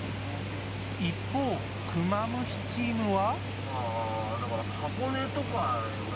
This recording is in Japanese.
クマムシチームは。